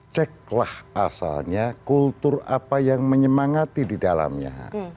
ceklah asalnya kultur apa yang menyemangati di dalamnya